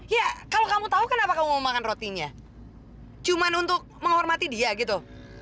iya kalau kamu tahu kenapa kamu mau makan rotinya cuma untuk menghormati dia gitu